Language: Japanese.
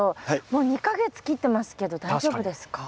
もう２か月切ってますけど大丈夫ですか？